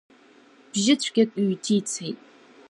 Бжьы цәгьак ҩҭицеит.